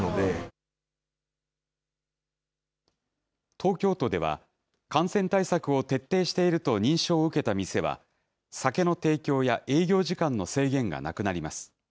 東京都では、感染対策を徹底していると認証を受けた店は、酒の提供や営業時間の制限がなくなります。